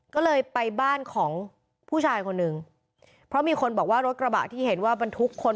ก็เลยไปบ้านของผู้ชายคนหนึ่งเพราะมีคนบอกว่ารถกระบะที่เห็นว่าบรรทุกคน